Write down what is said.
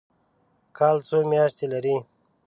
کال څو میاشتې لري؟